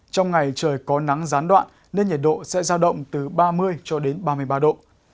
trong ngày trời có nắng gián đoạn nên nhiệt độ sẽ giao động từ ba mươi cho đến ba mươi ba độ